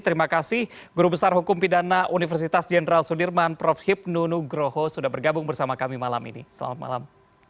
terima kasih guru besar hukum pidana universitas jenderal sudirman prof hipnu nugroho sudah bergabung bersama kami malam ini selamat malam